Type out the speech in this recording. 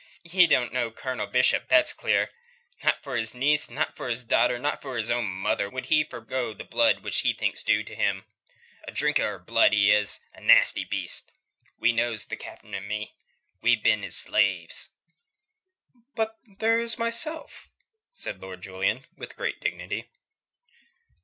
"Ye don't know Colonel Bishop, that's clear. Not for his niece, not for his daughter, not for his own mother, would he forgo the blood what he thinks due to him. A drinker of blood, he is. A nasty beast. We knows, the Cap'n and me. We been his slaves." "But there is myself," said Lord Julian, with great dignity.